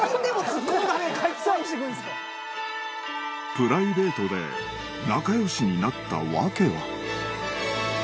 プライベートで仲良しになった訳は？